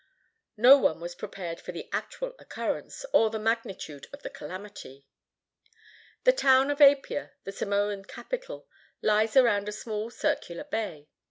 No one was prepared for the actual occurrence, or the magnitude of the calamity. The town of Apia, the Samoan capital, lies around a small circular bay.